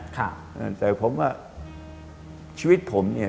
แต่ผมว่าชีวิตผมเนี่ย